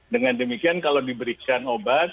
dengan demikian kalau diberikan obat